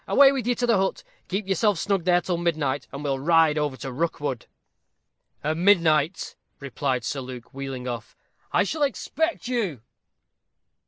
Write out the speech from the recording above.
Away with you to the hut. Keep yourself snug there till midnight, and we'll ride over to Rookwood." "At midnight," replied Sir Luke, wheeling off, "I shall expect you."